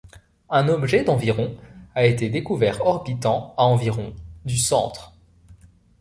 Un objet d'environ a été découvert orbitant à environ du centre.